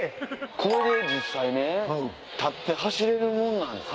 これで実際立って走れるもんなんですか？